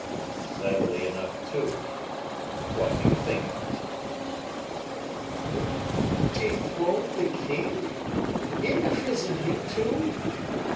"Cleverly enough, too; what do you think of it?" "You dethroned the king? imprisoned him, too?"